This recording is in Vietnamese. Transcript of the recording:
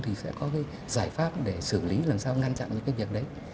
thì sẽ có cái giải pháp để xử lý làm sao ngăn chặn những cái việc đấy